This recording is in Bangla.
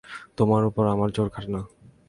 তোমার উপর আমার জোর খাটে না।